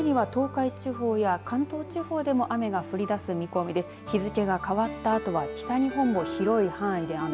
そして今夜のうちには東海地方や関東地方にも雨が降りだす見込みで、日付が変わったあとは北日本も広い範囲で雨。